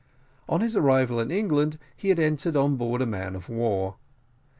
On his arrival in England he had entered on board of a man of war.